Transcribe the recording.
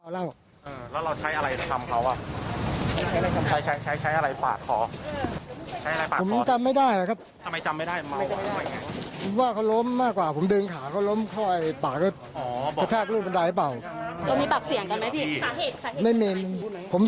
แล้วเราใช้อะไรทำเขาใช้อะไรใช้อะไรปากขอ